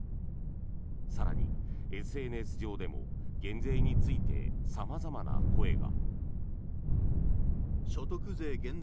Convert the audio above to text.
更に、ＳＮＳ上でも減税について様々な声が。